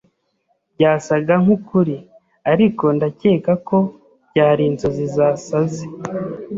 Byasaga nkukuri, ariko ndakeka ko byari inzozi zasaze.